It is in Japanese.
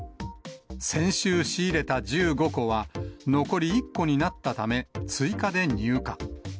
先週仕入れた１５個は、残り１個になったため、追加で入荷。